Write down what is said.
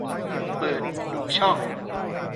เปิดดูช่อง